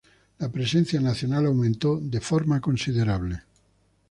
La presencia nacional aumentó de forma considerable.